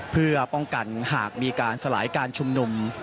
เพื่อป้องกันหากมีการสลายการชุมนุม